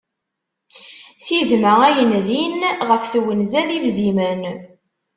Tidma ayen din, ɣef twenza d ibzimen.